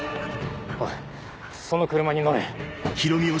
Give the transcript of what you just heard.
おいその車に乗れ。